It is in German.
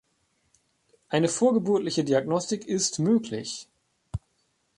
Eine vorgeburtliche Diagnostik ist möglich.